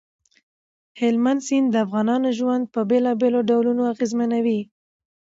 هلمند سیند د افغانانو ژوند په بېلابېلو ډولونو اغېزمنوي.